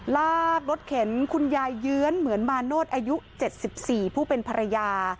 ลากรถเข็นคุณยายเยื้อนเหมือนมาโน้ตอายุเจ็ดสิบสี่ผู้เป็นภรรยา